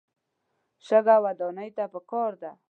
شګه ودانۍ ته پکار ده.